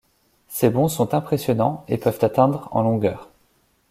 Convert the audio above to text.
Ses bonds sont impressionnants et peuvent atteindre en longueur.